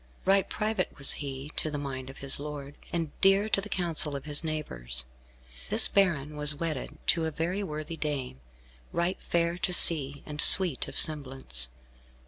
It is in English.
Right private was he to the mind of his lord, and dear to the counsel of his neighbours. This baron was wedded to a very worthy dame, right fair to see, and sweet of semblance.